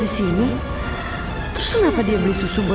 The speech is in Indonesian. iya ini udah dibeli kok susunya